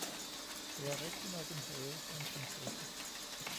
Det var rigtignok en have for en prinsesse